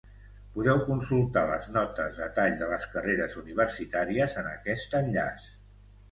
Podeu consultar les notes de tall de les carreres universitàries en aquest enllaç.